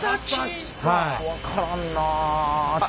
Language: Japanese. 分からんなあ。